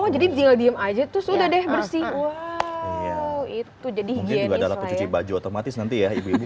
jadi diam aja tuh sudah deh bersih itu jadi gini juga dalam cuci baju otomatis nanti ya ibu ibu